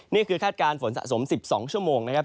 คาดการณ์ฝนสะสม๑๒ชั่วโมงนะครับ